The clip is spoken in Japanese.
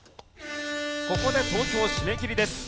ここで投票締め切りです。